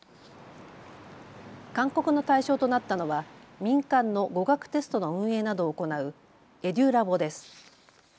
勧告の対象となったのは民間の語学テストの運営などを行うＥｄｕＬａｂです。